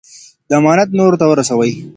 دا امانت نورو ته ورسوئ.